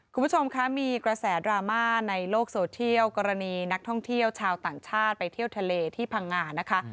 คุณผู้ชมคะมีกระแสดราม่าในโลกโซเทียลกรณีนักท่องเที่ยวชาวต่างชาติไปเที่ยวทะเลที่พังงานะคะ